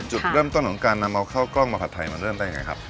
จุดเริ่มต้นของการนำเอาข้าวกล้องมาผัดไทยมันเริ่มได้ยังไงครับ